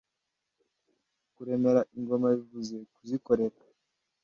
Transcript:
Kuremera ingoma bivuze Kuzikorera